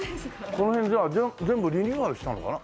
この辺じゃあ全部リニューアルしたのかな。